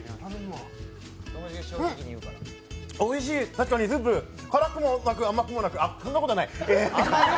確かにスープ辛くもなく甘くもなくあっ、そんなことはない。